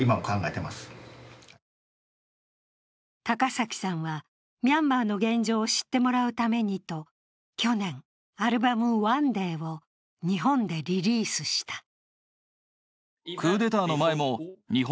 高崎さんはミャンマーの現状を知ってもらうためにと、去年、アルバム「ＯｎｅＤａｙ」を日本でリリースした。